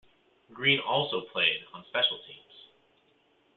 Green also played on special teams.